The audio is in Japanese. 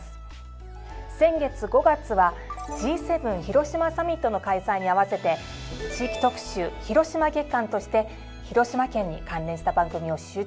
先月５月はＧ７広島サミットの開催に合わせて地域特集・広島月間として広島県に関連した番組を集中的に編成。